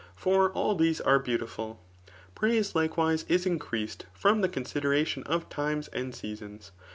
For all these arsr beautiful. Praise likewise is increased from the conal< deration of times and seasons.